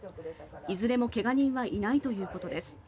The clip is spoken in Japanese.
いずれも怪我人はいないということです。